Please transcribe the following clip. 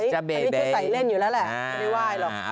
ทันนี้เธอใส่เล่นอยู่แล้วแหละไม่ว่ายเหรอ